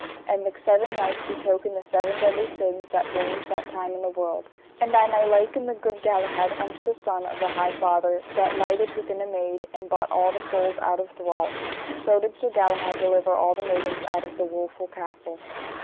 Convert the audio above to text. And the seven knights betoken the seven deadly sins that reigned that time in the world; and I may liken the good Galahad unto the son of the High Father, that lighted within a maid, and bought all the souls out of thrall, so did Sir Galahad deliver all the maidens out of the woful castle.